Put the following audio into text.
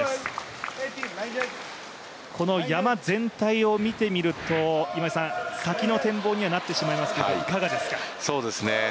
この山全体を見てみると先の展望にはなってしまいますけれども、いかがですか。